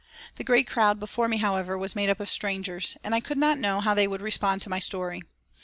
The great crowd before me, however, was made up of strangers, and I could not know how they would respond to my story.